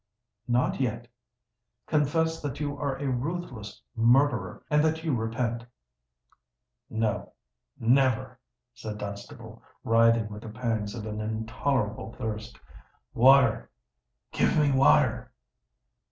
"Not yet. Confess that you are a ruthless murderer, and that you repent!" "No—never!" said Dunstable, writhing with the pangs of an intolerable thirst. "Water—give me water!"